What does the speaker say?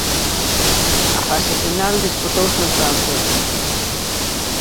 A fase final disputouse en Francia.